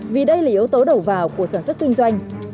vì đây là yếu tố đầu vào của sản xuất kinh doanh